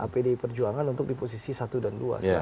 pdi perjuangan untuk di posisi satu dan dua